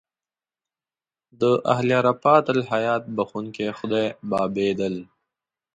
د اهل عرفان الهیات بخښونکی خدای بابېدل.